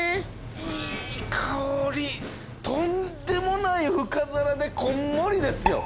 とんでもない深皿でこんもりですよ。